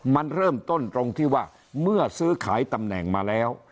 มันเริ่มต้นตรงที่ว่าเมื่อซื้อขายตำแหน่งมาแล้ว